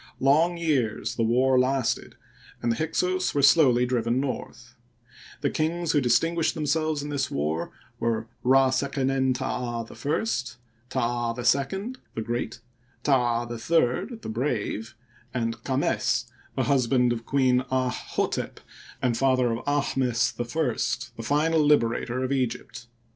Long years the war lasted, and the Hyksos were slowly driven north. The kings who distinguished themselves in this war were Rd seqenen Ta da /, Ta da II, the Great, Ta da III, the Brave, and Karnes^ the husband of Queen AahhStep and father of Aahmes I. the final liberator of Egypt.